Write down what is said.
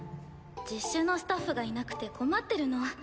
実習のスタッフがいなくて困ってるの。